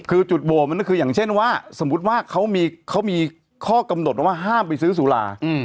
คือจุดโหวตมันก็คืออย่างเช่นว่าสมมุติว่าเขามีข้อกำหนดว่าห้ามไปซื้อสุรา